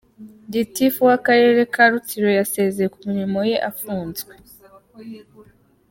Gitifu w’Akarere ka Rutsiro yasezeye ku mirimo ye afunzwe.